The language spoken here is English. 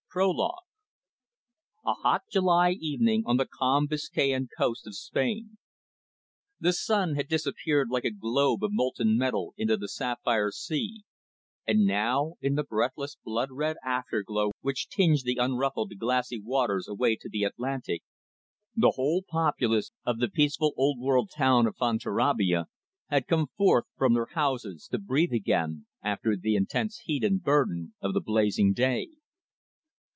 PROLOGUE. A hot July evening on the calm Biscayan coast of Spain. The sun had disappeared like a globe of molten metal into the sapphire sea, and now, in the breathless blood red afterglow which tinged the unruffled glassy waters away to the Atlantic, the whole populace of the peaceful old world town of Fonterrabia had come forth from their houses to breathe again after the intense heat and burden of the blazing day.